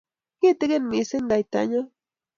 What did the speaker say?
kitigen mising kaitanyo.